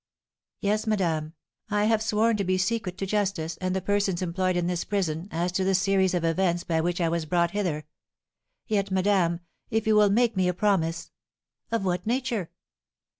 "Yes, madame, I have sworn to be secret to justice, and the persons employed in this prison, as to the series of events by which I was brought hither. Yet, madame, if you will make me a promise " "Of what nature?"